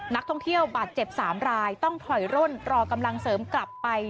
นักท่องเที่ยวบาดเจ็บ๓รายต้องถอยร่นรอกำลังเสริมกลับไป